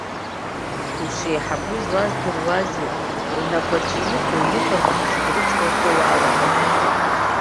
Ушеиҳабу злардыруазеи, унапаҿы иҟоу иҟарҵо зегь рыцҟауҵо уалагар.